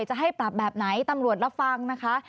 จะให้ปรับแบบไหนตำรวจรับฟังนะคะ